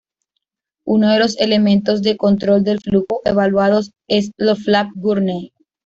Uno de los elementos de control del flujo evaluados es lo flap Gurney.